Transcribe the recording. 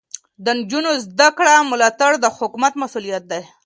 د نجونو زده کړې ملاتړ د حکومت مسؤلیت دی.